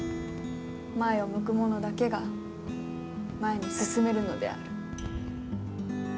前を向く者だけが前に進めるのである。